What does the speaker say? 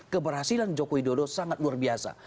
keberhasilan joko widodo sangat luar biasa